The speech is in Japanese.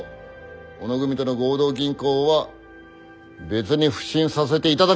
小野組との合同銀行は別に普請させていただきたい。